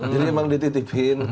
jadi memang dititipin